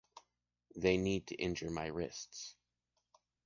They need to injured my wrists.